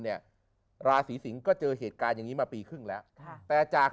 เนี่ยราศีสิงศ์ก็เจอเหตุการณ์อย่างนี้มาปีครึ่งแล้วค่ะแต่จาก